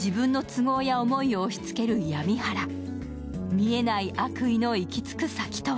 見えない悪意の行き着く先とは